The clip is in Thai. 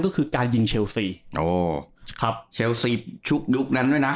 ก็คือการยิงเชลซีอ๋อครับเชลซีกยุคนั้นด้วยนะ